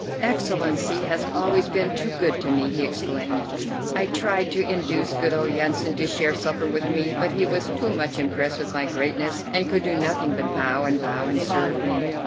"Excellency has always been too good to me!" he exclaimed. I tried to induce good old Yansan to share supper with me; but he was too much impressed with my greatness and could do nothing but bow and bow and serve me.